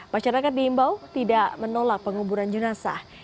masyarakat diimbau tidak menolak penguburan jenazah